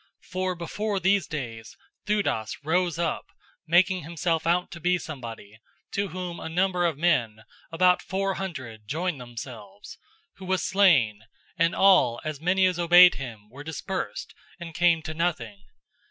005:036 For before these days Theudas rose up, making himself out to be somebody; to whom a number of men, about four hundred, joined themselves: who was slain; and all, as many as obeyed him, were dispersed, and came to nothing.